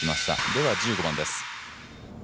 では１５番です。